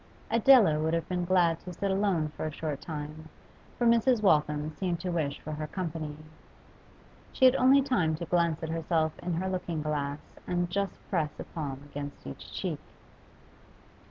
Adela would have been glad to sit alone for a short time, for Mrs. Waltham seemed to wish for her company She had only time to glance at herself in her looking glass and just press a palm against each cheek.